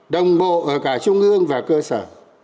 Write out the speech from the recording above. đồng bộ ở cả trung ương và cơ sở